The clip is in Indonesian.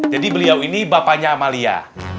jadi beliau ini bapaknya amalia